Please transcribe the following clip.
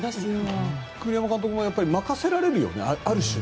栗山監督も任せられるよね、ある種。